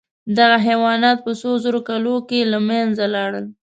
دغه حیوانات په څو زرو کالو کې له منځه لاړل.